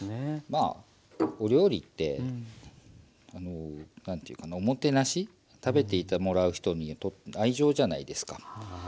まあお料理ってあの何ていうかなおもてなし食べてもらう人に愛情じゃないですか。